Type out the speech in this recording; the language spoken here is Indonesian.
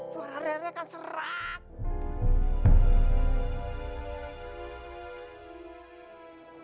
suara rere kan serok